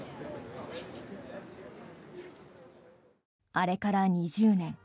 あれから２０年。